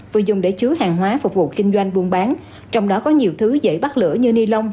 vừa dùng để chứa hàng hóa phục vụ kinh doanh buôn bán trong đó có nhiều thứ dễ bắt lửa như ni lông